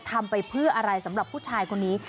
ทำไปเพื่ออะไรสำหรับผู้ชายคนนี้